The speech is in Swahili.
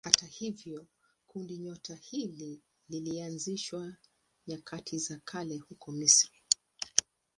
Hata hivyo kundinyota hili lilianzishwa nyakati za kale huko Misri.